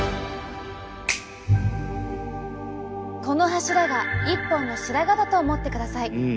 この柱が一本の白髪だと思ってください。